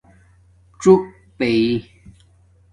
څُݸک پیئ